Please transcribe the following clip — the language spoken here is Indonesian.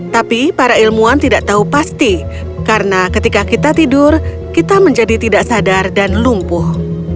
tapi para ilmuwan tidak tahu pasti karena ketika kita tidur kita menjadi tidak sadar dan lumpuh